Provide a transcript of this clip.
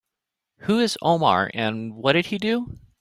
Who is Omar and what did he do?